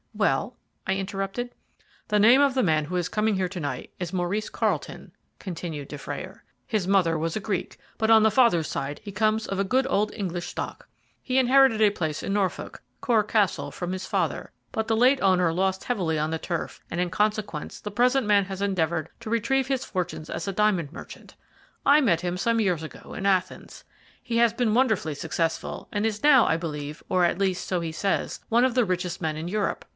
"Well?" I interrupted. "The name of the man who is coming here to night is Maurice Carlton," continued Dufrayer. "His mother was a Greek, but on the father's side he comes of a good old English stock. He inherited a place in Norfolk, Cor Castle, from his father; but the late owner lost heavily on the turf, and in consequence the present man has endeavoured to retrieve his fortunes as a diamond merchant. I met him some years ago in Athens. He has been wonderfully successful, and is now, I believe or, at least, so he says one of the richest men in Europe.